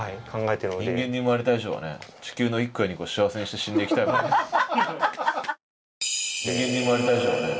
人間に生まれた以上はね地球の１個や２個幸せにして死んでいきたいもんね。